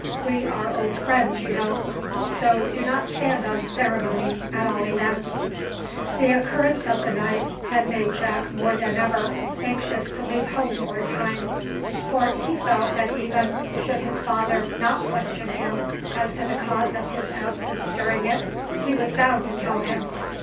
We are old friends, you know; so do not stand on ceremony, at all events." The occurrence of the night had made Jack more than ever anxious to leave home for a time; for he felt that even should his father not question him as to the cause of his absence during it, he was bound to tell him.